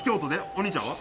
お兄ちゃんは？